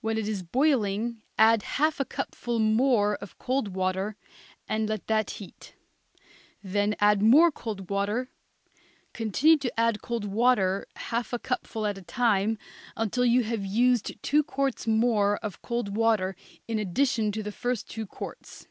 When it is boiling add half a cupful more of cold water and let that heat; then add more cold water; continue to add cold water, half a cupful at a time, until you have used two quarts more of cold water in addition to the first two quarts.